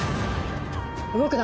動くな。